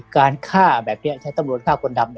การฆ่าแบบนี้ใช้ตำรวจฆ่าคนดำ